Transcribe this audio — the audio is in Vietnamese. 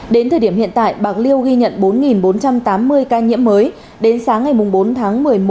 đến thời điểm hiện tại bạc liêu ghi nhận bốn bốn trăm tám mươi ca nhiễm mới đến sáng ngày bốn tháng một mươi một